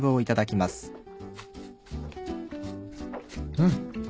うん。